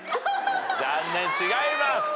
残念違います。